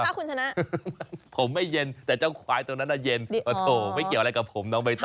ถ้าคุณชนะผมไม่เย็นแต่เจ้าควายตรงนั้นน่ะเย็นโอ้โหไม่เกี่ยวอะไรกับผมน้องใบตอ